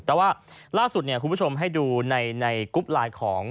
แต่ว่าล่าสุดคุณผู้ชมให้ดูในกรุ๊ปไลน์ของ